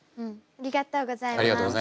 ありがとうございます。